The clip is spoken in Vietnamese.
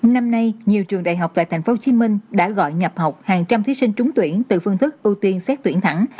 năm nay nhiều trường đại học tại tp hcm đã gọi nhập học hàng trăm thí sinh trúng tuyển từ phương thức ưu tiên xét tuyển thẳng